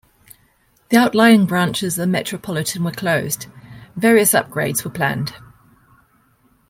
The outlying branches of the Metropolitan were closed; various upgrades were planned.